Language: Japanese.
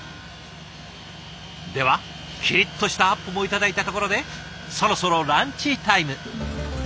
ではキリッとしたアップも頂いたところでそろそろランチタイム。